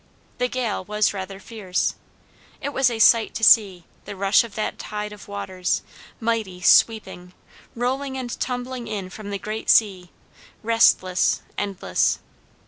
The gale was rather fierce. It was a sight to see, the rush of that tide of waters, mighty, sweeping, rolling and tumbling in from the great sea, restless, endless.